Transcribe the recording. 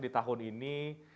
di tahun ini